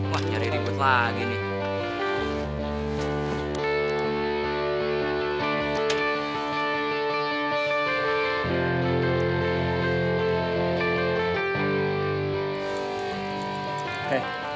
wah nyari ribut lagi nih